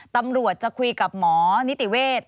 ตำรวจจะคุยกับหมอนิติเวทย์